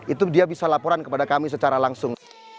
itu dia bisa laporan kepada kami secara langsung